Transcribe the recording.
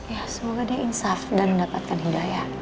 ya semoga dia insaf dan mendapatkan hidayah